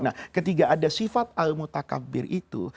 nah ketika ada sifat al mutakabir itu